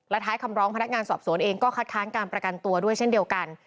ท้ายคำร้องพนักงานสอบสวนเองก็คัดค้านการประกันตัวด้วยเช่นเดียวกัน